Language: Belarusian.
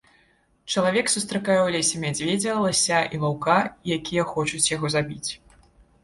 Чалавек сустракае ў лесе мядзведзя, лася і ваўка, якія хочуць яго забіць.